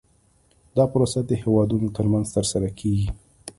دا پروسه د هیوادونو ترمنځ ترسره کیږي